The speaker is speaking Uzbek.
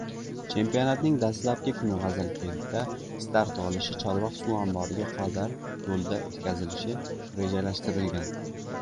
Chempionatning dastlabki kuni Gʻazalkentda start olishi Chorvoq suv omboriga qadar yoʻlda oʻtkazilishi rejalashtirilgan.